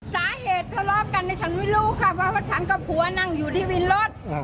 สาเหตุทะเลาะกันเนี่ยฉันไม่รู้ค่ะว่าฉันกับผัวนั่งอยู่ที่วินรถ